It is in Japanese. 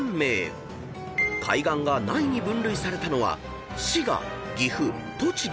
［海岸がないに分類されたのは滋賀岐阜栃木］